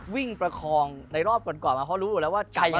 วิ่งประคองในรอบก่อนมาเขารู้แล้วว่า